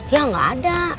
ya gak ada